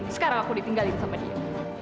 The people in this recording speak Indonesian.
sekarang aku ditinggalin sama dia